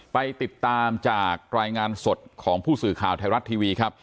ไปติดตามจากรายงานสดของผู้สื่อข่าวไทยรัฐทีวีครับ